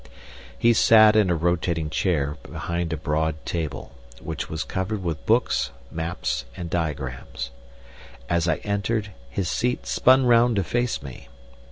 He sat in a rotating chair behind a broad table, which was covered with books, maps, and diagrams. As I entered, his seat spun round to face me.